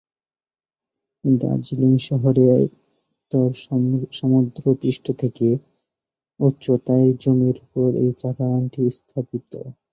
দার্জিলিং শহরের উত্তরে সমুদ্রপৃষ্ঠ থেকে উচ্চতায় জমির উপর এই চা বাগানটি অবস্থিত।